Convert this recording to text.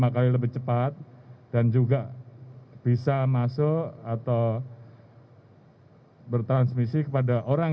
lima kali lebih cepat dan juga bisa masuk atau bertransmisi kepada orang